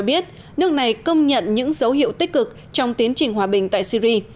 cho biết nước này công nhận những dấu hiệu tích cực trong tiến trình hòa bình tại syri